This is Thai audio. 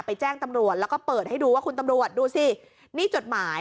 แจ้งตำรวจแล้วก็เปิดให้ดูว่าคุณตำรวจดูสินี่จดหมาย